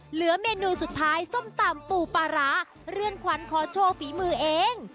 เหลือเมนูสุดท้ายส้มตำปูปลาร้าเรือนขวัญขอโชว์ฝีมือเอง